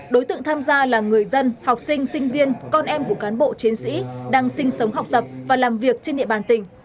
đối tượng tham gia là người dân học sinh sinh viên con em của cán bộ chiến sĩ đang sinh sống học tập và làm việc trên địa bàn tỉnh